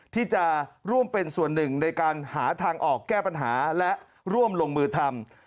ที่จะร่วมเป็นส่วนหนึ่งในการหาทางออกแก้ปัญหาและร่วมลงมือทำ